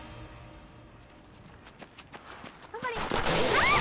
あっ！